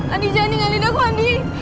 andi jangan dengan lidahku andi